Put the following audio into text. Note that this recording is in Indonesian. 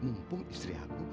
mumpung istri aku